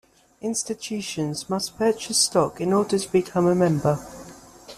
Institutions must purchase stock in order to become a member.